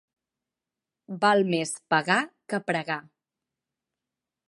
Val més pagar que pregar.